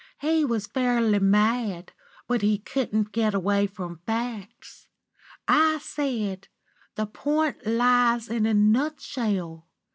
He was fairly mad, but he couldn't get away from facts. I said: "'The point lies in a nutshell.